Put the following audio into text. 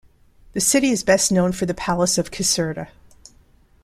The city is best known for the Palace of Caserta.